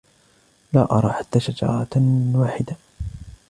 لا أرى حتى شجرة واحدة.